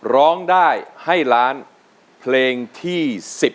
ร้องได้ให้ล้านเพลงที่๑๐